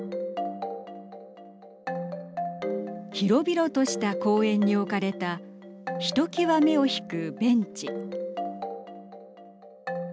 広々とした公園に置かれたひときわ目を引くベンチ。